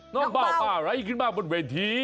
น้องเบาอะไรขึ้นมาบนเวที